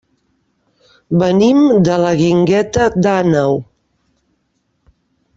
Venim de la Guingueta d'Àneu.